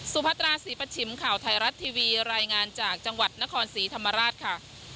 พัตราศรีประชิมข่าวไทยรัฐทีวีรายงานจากจังหวัดนครศรีธรรมราชค่ะ